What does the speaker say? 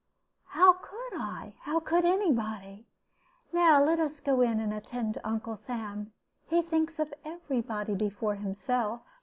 "How could I? How could any body? Now let us go in and attend to Uncle Sam. He thinks of every body before himself."